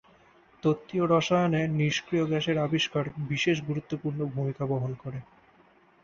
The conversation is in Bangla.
তত্ত্বীয় রসায়নে নিষ্ক্রিয় গ্যাসের আবিষ্কার বিশেষ গুরুত্বপূর্ণ ভূমিকা বহন করে।